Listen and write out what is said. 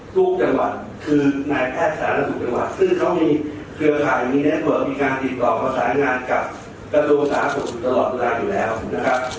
ทุกจังหวัดคือนายแพทย์ศาลศุกร์จังหวัดซึ่งเขามีเกลือข่ายมีแน็ตเวิร์ดมีการติดต่อมาสารงานกับกระโดสาธุตลอดตุลาคอยู่แล้วนะครับ